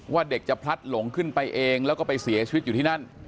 เด็กจะพลัดหลงขึ้นไปเองแล้วก็ไปเสียชีวิตอยู่ที่นั่น